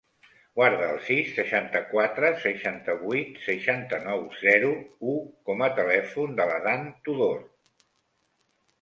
Guarda el sis, seixanta-quatre, seixanta-vuit, seixanta-nou, zero, u com a telèfon de l'Adán Tudor.